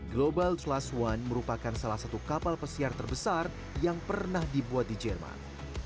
global class one merupakan salah satu kapal pesiar terbesar yang pernah dibuat di jerman